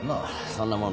そんなもん